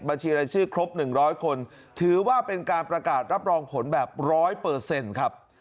บัญชีรายชื่อครบ๑๐๐คนถือว่าเป็นการประกาศรับรองผลแบบ๑๐๐ครับ